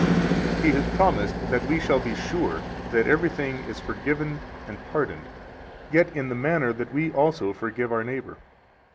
He has promised that we shall be sure that everything is forgiven and pardoned, yet in the manner that we also forgive our neighbor.